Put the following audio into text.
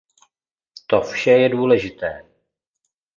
To vše je důležité.